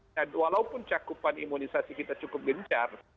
nah walaupun cakupan imunisasi kita cukup gencar